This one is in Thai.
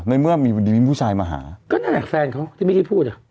ในเมื่อมีวันนี้มีผู้ชายมาหาก็นั่นแหละแฟนเขาที่ไม่ได้พูดอ่ะ